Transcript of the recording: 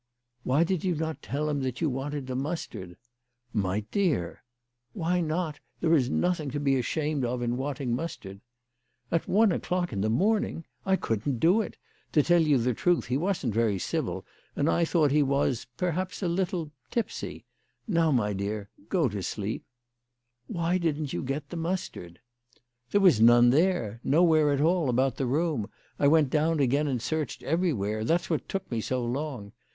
"Why did you not tell him you wanted the mustard?" "My dear!" " Why not ? There is nothing to be ashamed of in wanting mustard." " At one o'clock in the morning ! I couldn't do it. To tell you the truth, he wasn't very civil, and I thought that he was, perhaps a little tipsy. Now, my dear, do go to sleep." " Why didn't you get the mustard ?"" There was none there, nowhere at all about the room. I went down again and searched everywhere. That's what took me so long.